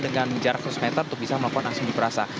disahkan dengan jarak seratus meter untuk bisa melakukan aksi di masa